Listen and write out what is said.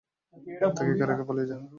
তাকে একা রেখে পালিয়ে যা!